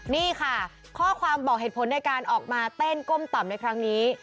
นี่ค่ะข้อความบอกเหตุผลในการออกมาเต้นก้มต่อมในครั้งนี้